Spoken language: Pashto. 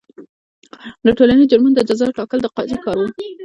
د ټولنیزو جرمونو د جزا ټاکل د قاضي کار و.